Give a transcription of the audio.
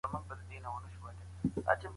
شمله هغلته شمله وي چې په نر باندې وي لکه